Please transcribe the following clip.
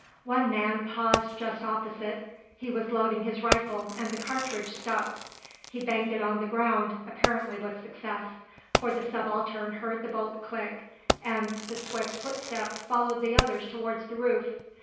One man paused just opposite; he was loading his rifle and the cartridge stuck; he banged it on the ground, apparently with success, for the Subaltern heard the bolt click, and the swift footsteps followed the others towards the roof.